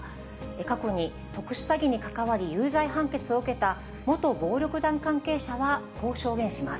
過去に特殊詐欺に関わり、有罪判決を受けた元暴力団関係者はこう証言します。